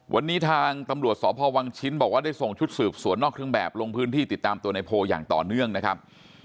วันนี้ทางตำรวจสพวังชิ้นบอกว่าได้ส่งชุดสืบสวนนอกเครื่องแบบลงพื้นที่ติดตามตัวในโพลอย่างต่อเนื่องนะครับ